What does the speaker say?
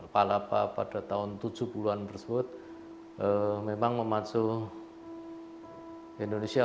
palapa pada tahun tujuh puluh an tersebut memang memacu indonesia